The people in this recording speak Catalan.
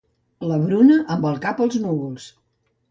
La Bruna amb el cap als núvols.